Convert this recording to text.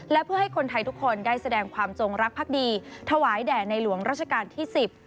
และเพื่อให้คนไทยทุกคนได้แสดงความจงรักภักดีถวายแด่ในหลวงราชการที่สิบ